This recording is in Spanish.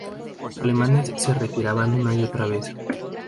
Los alemanes se retiraban una y otra vez.